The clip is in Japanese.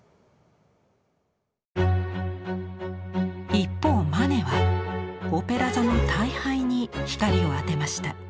一方マネはオペラ座の退廃に光を当てました。